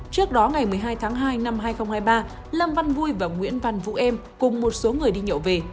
trước đó ngày một mươi hai tháng hai năm hai nghìn hai mươi ba lâm văn vui và nguyễn văn vũ em cùng một số người đi nhậu về